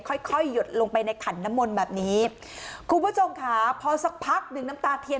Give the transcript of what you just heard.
ค่อยค่อยหยดลงไปในขันน้ำมนต์แบบนี้คุณผู้ชมค่ะพอสักพักหนึ่งน้ำตาเทียน